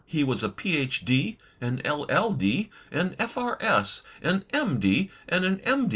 He was a Ph.D., an LL.D., an F.R.S., an M.D., and an M.